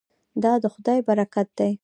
دا د خدای برکت دی.